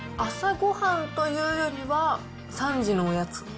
朝ごはんというよりは、３時のおやつ。